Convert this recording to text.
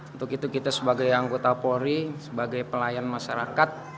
untuk itu kita sebagai anggota polri sebagai pelayan masyarakat